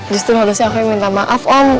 justru harusnya aku minta maaf om